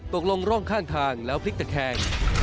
ตกลงร่องข้างทางแล้วพลิกตะแคง